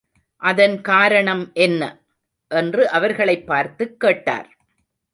அதன் காரணம் என்ன? என்று அவர்களைப் பார்த்துக் கேட்டார்.